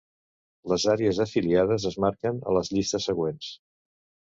Les àrees afiliades es marquen a les llistes següents.